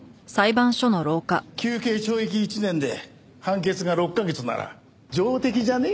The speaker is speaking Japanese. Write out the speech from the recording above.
求刑懲役１年で判決が６カ月なら上出来じゃねえ？